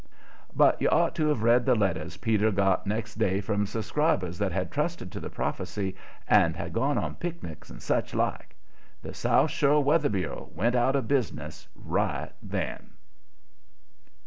But you ought to have read the letters Peter got next day from subscribers that had trusted to the prophecy and had gone on picnics and such like. The South Shore Weather Bureau went out of business right then.